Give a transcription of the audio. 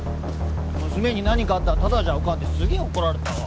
「娘に何かあったらただじゃおかん」ってすげえ怒られたわ。